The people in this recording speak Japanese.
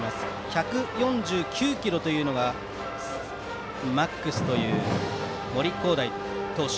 １４９キロというのがマックスという森煌誠投手。